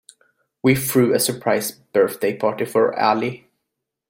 We threw a surprise birthday party for Ali.